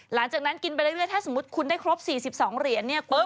หลังจากนั้นกินไปเรื่อยถ้าสมมุติคุณได้ครบ๔๒เหรียญเนี่ยคุณ